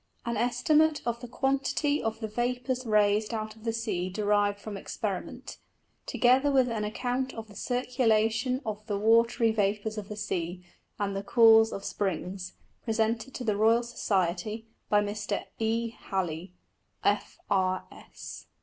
_An Estimate of the Quantity of the Vapours raised out of the Sea derived from Experiment: Together with an Account of the Circulation of the watry Vapours of the Sea, and of the Cause of Springs, presented to the Royal Society. By Mr. _E. Halley, F. R. S.